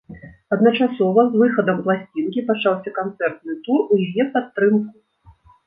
Адначасова з выхадам пласцінкі пачаўся канцэртны тур у яе падтрымку.